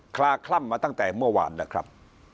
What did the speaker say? คลาคล่ำมาตั้งแต่เมื่อวานนะครับ